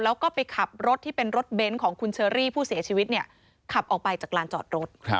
แล้วก็ไปขับรถที่เป็นรถเบนท์ของคุณเชอรี่ผู้เสียชีวิตเนี่ยขับออกไปจากลานจอดรถ